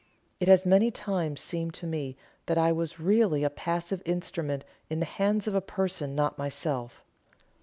It has many times seemed to me that I was really a passive instrument in the hands of a person not myself.